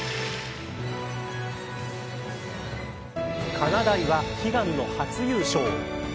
かなだいは悲願の初優勝。